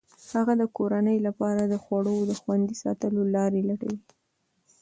هغه د کورنۍ لپاره د خوړو د خوندي ساتلو لارې لټوي.